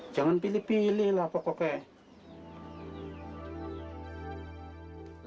jangan pilih pilih lah pokoknya